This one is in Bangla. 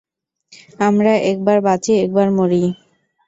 আমরা একবার বাঁচি একবার মরি।